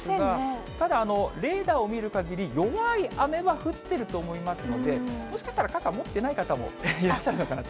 ただ、レーダーを見るかぎり、弱い雨は降っていると思いますので、もしかしたら傘持ってない方もいらっしゃるのかなと。